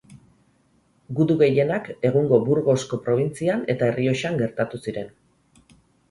Gudu gehienak egungo Burgosko probintzian eta Errioxan gertatu ziren.